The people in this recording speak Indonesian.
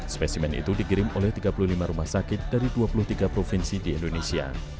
spesimen itu dikirim oleh tiga puluh lima rumah sakit dari dua puluh tiga provinsi di indonesia